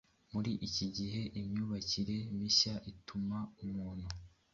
Muri iki gihe imyubakire mishya ituma umuntu